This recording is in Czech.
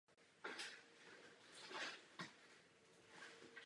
Vy chcete dělat totéž a předložit nám řešení.